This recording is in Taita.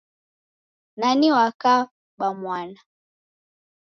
Nani wakabamwana?